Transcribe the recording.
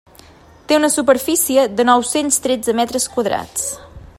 Té una superfície de nou-cents tretze metres quadrats.